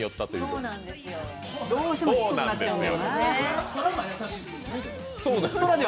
そうなんですよ。